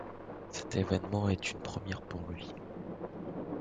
Cet événement est une première pour lui.